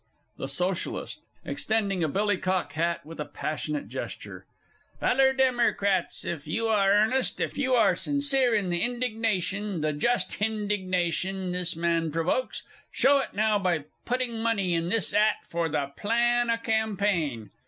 _ THE SOCIALIST (extending a billycock hat with a passionate gesture). Feller Demmercrats, if you are earnest, if you are sincere in the indignation, the just hindignation, this man provokes show it now, by putting money in this 'at for the Plan o' Campaign!